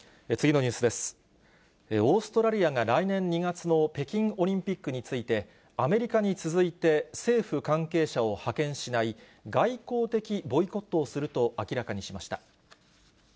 オーストラリアが来年２月の北京オリンピックについて、アメリカに続いて、政府関係者を派遣しない、外交的ボイコットをすると明らかにしました。